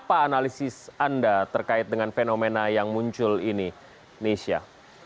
apa analisis anda terkait dengan fenomena yang muncul ini nesya